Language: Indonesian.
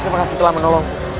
terima kasih telah menolongku